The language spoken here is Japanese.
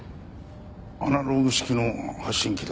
アナログ式の発信機だな。